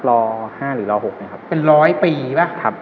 รอห้าหรือรอหกนะครับ